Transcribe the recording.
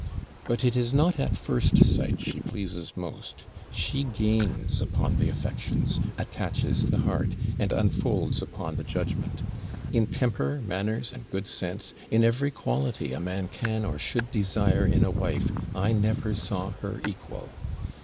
But it is not at first sight she pleases most; she gains upon the affections, attaches the heart, and unfolds upon the judgment. In temper, manners, and good sense, in every quality a man can or should desire in a wife, I never saw her equal.